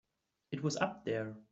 It was up there.